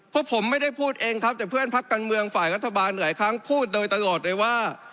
พวกผมไม่ได้พูดเองครับแต่เพื่อนพักการเมืองฝ่ายรัฐบาลหลายครั้งพูดโดยตลอดเลยว่า